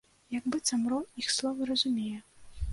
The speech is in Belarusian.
Як быццам рой іх словы разумее.